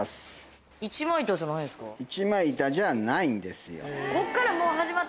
１枚板じゃないんですよ。